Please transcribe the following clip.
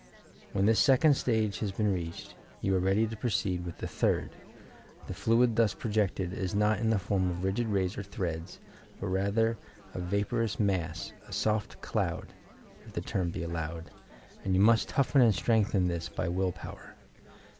When this second stage has been reached, you are ready to proceed with the third. The fluid thus projected is not in the form of rigid rays or threads, but rather a vapor ous mass, a soft cloud, — if the term be allowed, — and you must toughen and strengthen this by will power.